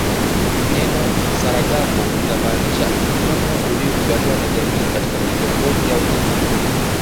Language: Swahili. Neno msaragambo linamaanisha mfumo uliokubaliwa na jamii katika kitongoji au kijiji